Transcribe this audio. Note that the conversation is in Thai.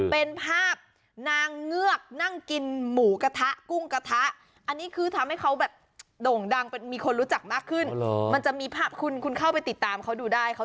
เป็นภาพนางเงือกนั่งกินหมูกระทะกุ้งกระทะ